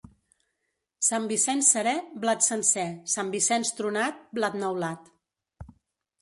Sant Vicenç serè, blat sencer; Sant Vicenç tronat, blat neulat.